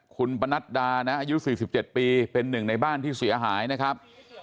คุณปนัดดานะอายุ๔๗ปีเป็นหนึ่งในบ้านที่เสียหายนะครับ